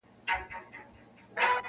• څارنوال ته سو معلوم اصلیت د وروره,